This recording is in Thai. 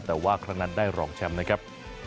แต่ว่าครั้งนั้นได้รองแชมป์นะครับ